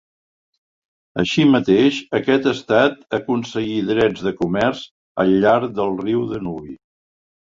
Així mateix aquest estat aconseguí drets de comerç al llarg del riu Danubi.